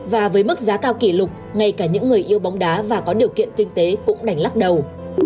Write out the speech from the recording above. và với mức giá cao kỷ lục ngay cả những người yêu bóng đá và có điều kiện kinh tế cũng đành lắc đầu